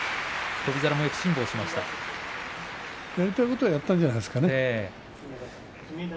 翔猿はやりたいことはやったんじゃないですかね。